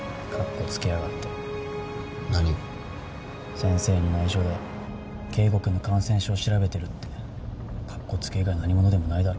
先生に内緒で圭吾君の感染症調べてるってカッコつけ以外何物でもないだろ。